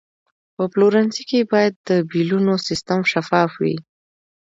په پلورنځي کې باید د بیلونو سیستم شفاف وي.